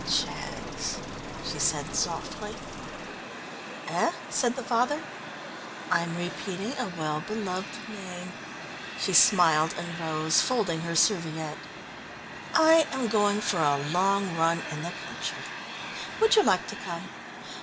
Jaggs," she said softly. "Eh?" said the father. "I'm repeating a well beloved name," she smiled and rose, folding her serviette. "I am going for a long run in the country. Would you like to come?